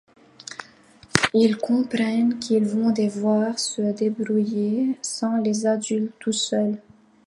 Ils comprennent qu'ils vont devoir se débrouiller sans les adultes... tout seuls.